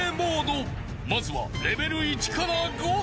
［まずはレベル１から５］